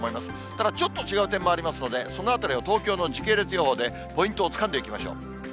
ただ、ちょっと違う点もありますので、そのあたりを東京の時系列予報で、ポイントをつかんでいきましょう。